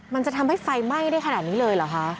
มันจะทำให้ไฟไหม้ได้ขนาดนี้เลยเหรอคะ